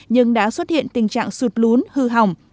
nhưng đã xuất hiện tình trạng sụt lún hư hỏng